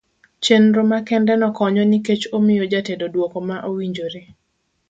chenro makende no konyo nikech omiyo ja tedo duoko ma owinjore.